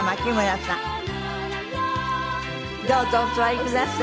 どうぞお座りください。